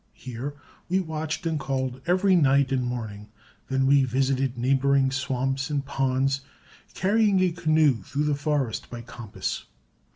Here we watched and called every night and morning; then we visited neighboring swamps and ponds, carrying a canoe through the forest by compass.